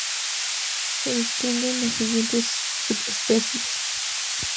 Se distinguen las siguientes subespecies.